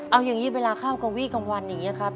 เอาอย่างนี้เวลาข้าวกะวีกลางวันอย่างนี้ครับ